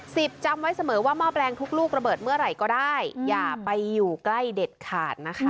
จำไว้เสมอว่ามอบแรงทุกลูกระเบิดเมื่อไหร่ก็ได้อย่าไปอยู่ใกล้เด็ดขาดนะคะ